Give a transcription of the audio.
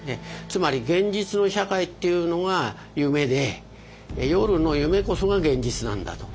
つまり現実の社会っていうのが夢で夜の夢こそが現実なんだと。